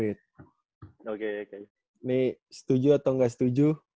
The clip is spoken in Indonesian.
ini setuju atau gak setuju